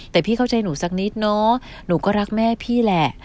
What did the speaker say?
แต่พี่เข้าใจหนูสักนิดเนอะหนูก็รักแม่พี่แหละ